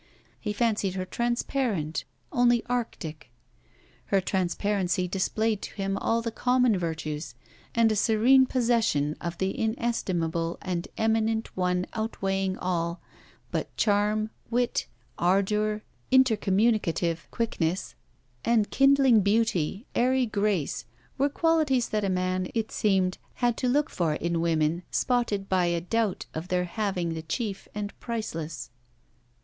He fancied her transparent, only Arctic. Her transparency displayed to him all the common virtues, and a serene possession of the inestimable and eminent one outweighing all; but charm, wit, ardour, intercommunicative quickness, and kindling beauty, airy grace, were qualities that a man, it seemed, had to look for in women spotted by a doubt of their having the chief and priceless.